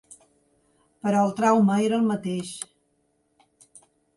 Però el trauma era el mateix.